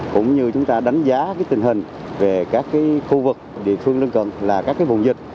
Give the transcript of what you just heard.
cũng như chúng ta đánh giá tình hình về các khu vực địa phương lân cận là các vùng dịch